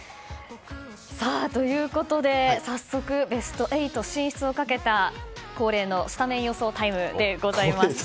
ということでベスト８進出をかけた恒例のスタメン予想タイムでございます。